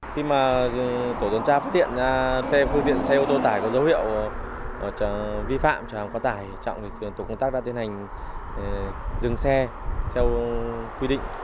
khi mà tổ tuần tra phát hiện xe ô tô tải có dấu hiệu vi phạm chở hàng quá tải trọng thì tổ công tác đã tiến hành dừng xe theo quy định